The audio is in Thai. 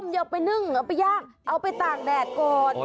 ยังไม่ได้อีกเหรอ